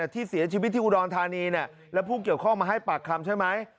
ที่เสียชีวิตที่อุดรธานีแล้วผู้เกี่ยวข้องมาให้ปากคำใช่ไหม